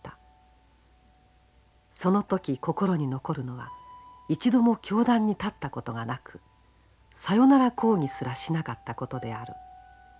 その時心に残るのは一度も教壇に立ったことがなく「さよなら講義」すらしなかったことである。